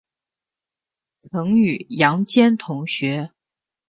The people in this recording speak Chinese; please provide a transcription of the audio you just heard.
曾与杨坚同学。